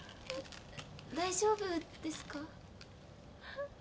大丈夫ですか？